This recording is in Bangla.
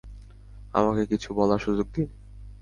আমাকে কিছু বলার সুযোগ দিন!